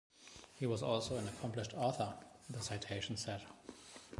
He was also an accomplished author, the citation said.